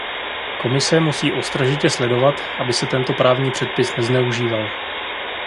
Komise musí ostražitě sledovat, aby se tento právní předpis nezneužíval.